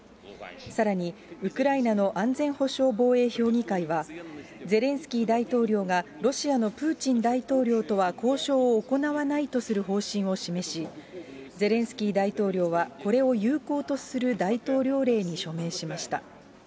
さらに、ウクライナの安全保障防衛評議会は、ゼレンスキー大統領が、ロシアのプーチン大統領とは交渉を行わないとする方針を示し、ゼレンスキー大統領は、これを有効とする大統領令に署名しました。